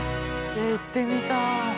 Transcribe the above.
行ってみたい。